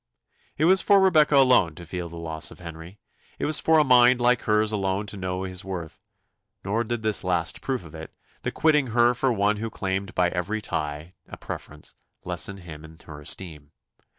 It was for Rebecca alone to feel the loss of Henry; it was for a mind like hers alone to know his worth; nor did this last proof of it, the quitting her for one who claimed by every tie a preference, lessen him in her esteem.